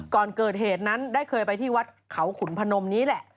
ก่อนเกิดเหตุนั้นได้เคยไปที่วัดเขาขุนพนมนี้แหละ